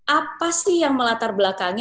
apa sih yang melatar belakangi